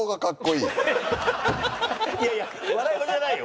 いやいや笑い事じゃないよ